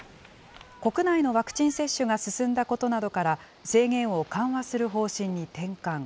国内のワクチン接種が進んだことなどから、制限を緩和する方針に転換。